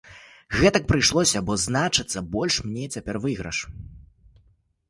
Гэтак прыйшлося, бо, значыцца, большы мне цяпер выйгрыш.